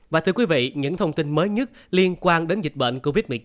và thưa quý vị những thông tin mới nhất liên quan đến dịch bệnh covid một mươi chín